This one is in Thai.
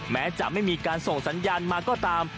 แม้จะไม่มีการส่งสัญญาณมาก็ตาม